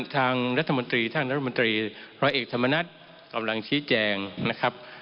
ทางรัฐมนตรีท่านรัฐมนตรีร้อยเอกธรรมนัฐกำลังชี้แจงนะครับ